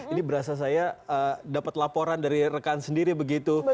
ini berasa saya dapat laporan dari rekan sendiri begitu